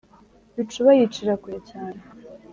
bicuba yicira kure, cyane